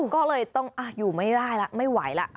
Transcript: ก็เลยต้องอยู่ไม่ได้แล้วไม่ไหวแล้ว